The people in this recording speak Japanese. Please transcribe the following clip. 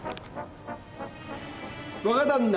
若旦那！